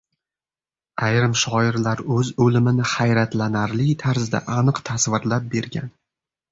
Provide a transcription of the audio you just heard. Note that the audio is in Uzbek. Ayrim shoirlar o‘z o‘limini hayratlanarli tarzda aniq tasvirlab bergan